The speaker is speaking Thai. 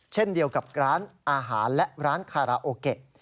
เช่นเดียวกับร้านอาหารและร้านคาราโอเกะ